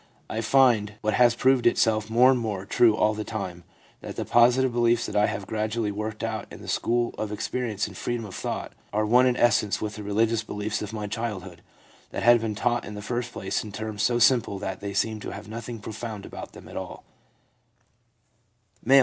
I find, what has proved itself more and more true all the time, that the positive beliefs that I have gradually worked out in the school of experience in freedom of thought are one in essence with the religious beliefs of my childhood, that had been taught in the first place in terms so simple that they seemed to have nothing profound about them at all/ M., 30.